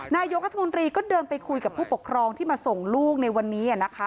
นายกรัฐมนตรีก็เดินไปคุยกับผู้ปกครองที่มาส่งลูกในวันนี้นะคะ